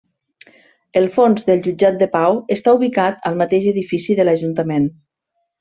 El fons del Jutjat de Pau està ubicat al mateix edifici de l’ajuntament.